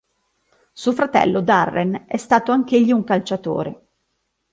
Suo fratello, Darren, è stato anch'egli un calciatore.